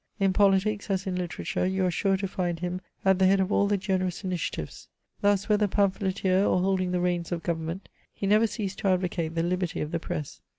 In politics, as in literature, you are sure to find him at the head of all the generous initiatives. Thus, whether pamphleteer or holding the reins of government, he never ceased to advocate the liherty of the press.